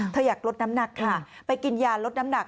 เธออยากลดน้ำหนักค่ะไปกินยาลดน้ำหนัก